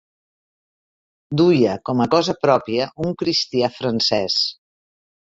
Duia com a cosa pròpia un cristià francès.